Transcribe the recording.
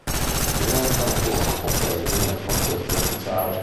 Di conseguenza non furono compresi nel conteggio ufficiale.